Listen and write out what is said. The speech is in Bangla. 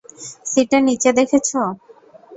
সিটের নিচে দেখেছ?